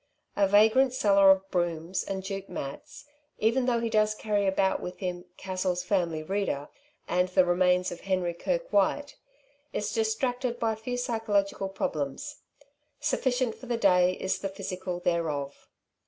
A vagrant seller of brooms and jute mats, even though he does carry about with him "Cassell's Family Reader" and "The Remains of Henry Kirke White," is distracted by few psychological problems. Sufficient for the day is the physical thereof.